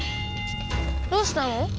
どうしたの？